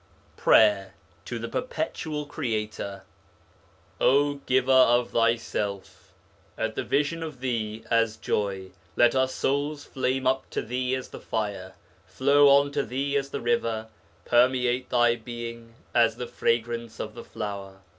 PRAYER TO THE PERPETUAL CREATOR O giver of thyself! at the vision of thee as joy let our souls flame up to thee as the fire, flow on to thee as the river, permeate thy being as the fragrance of the flower.